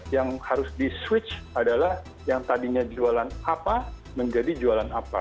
yang harus di switch adalah yang tadinya jualan apa menjadi jualan apa